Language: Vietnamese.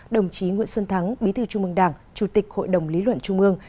đồng chí nguyễn xuân thắng bí thư trung mương đảng chủ tịch hội đồng lý luận trung mương